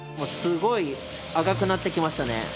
すごい赤くなってきましたね。